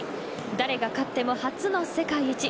誰が勝っても初の世界一。